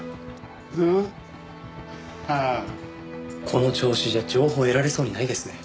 この調子じゃ情報得られそうにないですね。